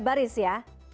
tiga baris ya